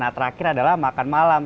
nah terakhir adalah makan malam